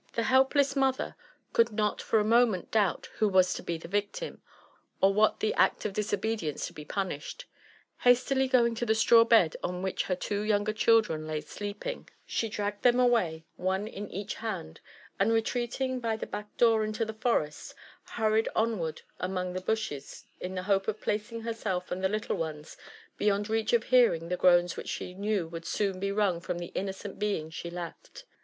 The helpless mother could not for a moment doubt who was to bo the victim, or what the act of disobedience to be punished. Hastily going to the straw bed on which her two younger children lay sleeping, 78 LIFB ANP ADVENTURES OP she dragged them away, one in each band, and retrealingby the back door into the forest, hurried onward among the bushes in the hope of placing herself and the little ones beyond reach of hearing the groans which she knew would soon be wrung from the innocent being she left.